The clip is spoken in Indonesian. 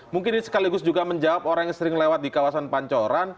mungkin ini sekaligus juga menjawab orang yang sering lewat di kawasan pancoran